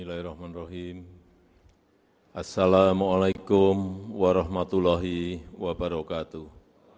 assalamu alaikum warahmatullahi wabarakatuh